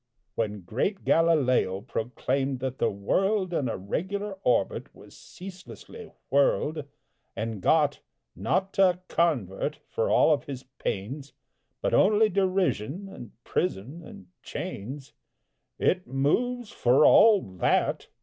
When great Galileo proclaimed that the world In a regular orbit was ceaselessly whirled, And got not a convert for all of his pains, But only derision and prison and chains, "It moves, _for all that!